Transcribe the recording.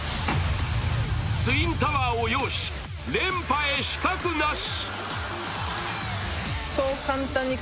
ツインタワーを擁し、連覇へ死角なし。